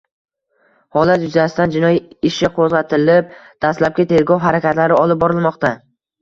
Holat yuzasidan jinoyat ishi qo‘zg‘atilib, dastlabki tergov harakatlari olib borilmoqda